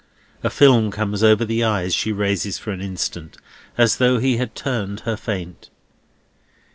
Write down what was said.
A film comes over the eyes she raises for an instant, as though he had turned her faint.